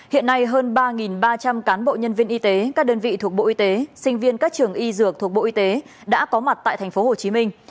hiện nay hơn ba ba trăm linh cán bộ nhân viên y tế các đơn vị thuộc bộ y tế sinh viên các trường y dược thuộc bộ y tế đã có mặt tại thành phố hồ chí minh